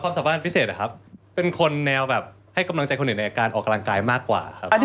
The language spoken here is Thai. สามารถพิเศษนะครับเป็นคนแนวแบบให้กำลังใจคนอื่นในการออกกำลังกายมากกว่าครับ